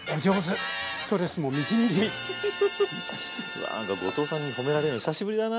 わなんか後藤さんに褒められるの久しぶりだな。